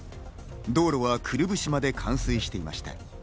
道路はくるぶしまで冠水していました。